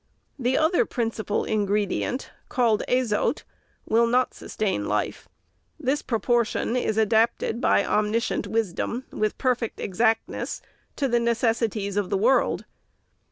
The other principal ingredient, called azote, will not sustain life. This proportion is adapted by omniscient wisdom, with perfect exactness, to the necessities of the world.